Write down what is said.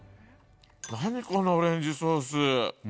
何このオレンジソース。